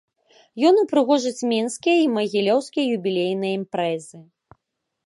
Ён упрыгожыць менскія й магілёўскія юбілейныя імпрэзы.